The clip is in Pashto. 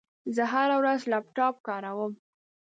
زه هره ورځ لپټاپ کاروم.